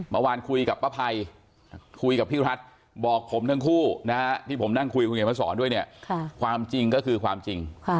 เมื่อวานคุยกับพระภัยคุยกับพี่รัฐบอกผมเรื่องคู่นะฮะที่ผมนั่งคุยกับพระศรด้วยเนี่ยความจริงก็คือความจริง